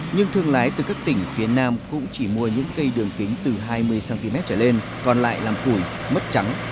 nhưng thương lái từ các tỉnh phía nam cũng chỉ mua những cây đường kính từ hai mươi cm trở lên còn lại làm củi mất trắng